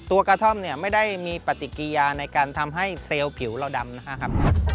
ตัวกระท่อมไม่ได้มีปฏิกิยาในการทำให้เซลล์ผิวเราดำ